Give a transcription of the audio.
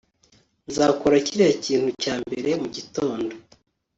Nzakora kiriya kintu cya mbere mugitondo